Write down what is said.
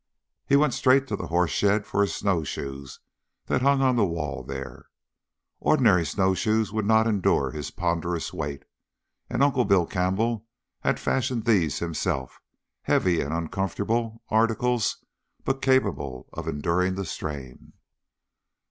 He went straight to the horse shed for his snowshoes that hung on the wall there. Ordinary snowshoes would not endure his ponderous weight, and Uncle Bill Campbell had fashioned these himself, heavy and uncomfortable articles, but capable of enduring the strain.